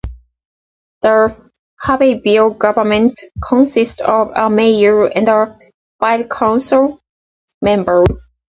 The Harveyville government consists of a mayor and five council members.